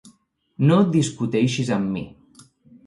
No discuteixis amb mi.